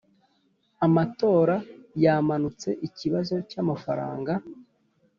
amatora yamanutse ikibazo cyamafaranga